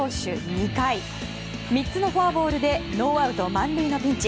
２回、３つのフォアボールでノーアウト満塁のピンチ。